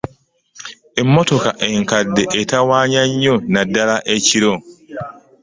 Emmotoka enkadde etawaanya nnyo naddala ekiro.